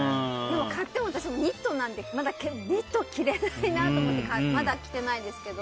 買ってもニットなんて着れないなと思ってまだ着てないですけど。